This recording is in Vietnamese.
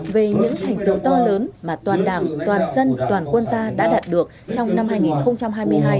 về những thành tựu to lớn mà toàn đảng toàn dân toàn quân ta đã đạt được trong năm hai nghìn hai mươi hai